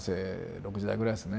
６０代ぐらいですね